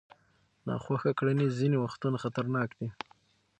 ناخوښه کړنې ځینې وختونه خطرناک دي.